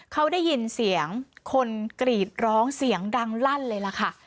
เขาได้ยินเสียงคนกรีดร้องเสียงดังลั่นเลยล่ะค่ะ